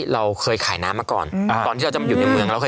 เราเคยขายน้ำมาก่อน